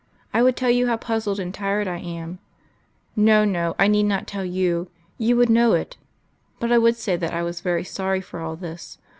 I would tell You how puzzled and tired I am. No No I need not tell You: You would know it. But I would say that I was very sorry for all this.